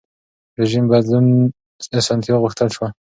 رژیم بدلون اسانتیا غوښتل شوه.